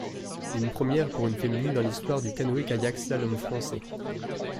Une première pour une féminine dans l'histoire du canoë-kayak slalom français.